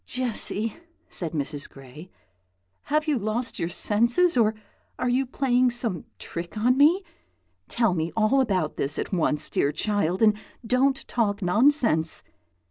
"Jessy," said Mrs. Gray, "have you lost your senses, or are you playing some trick on me? Tell me all about this at once, dear child, and don't talk nonsense."